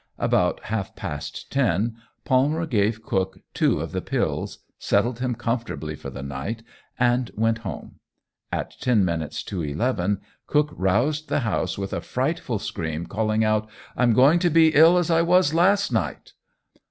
About half past ten Palmer gave Cook two of the pills, settled him comfortably for the night, and went home. At ten minutes to eleven Cook roused the house with a frightful scream, calling out, "I'm going to be ill as I was last night."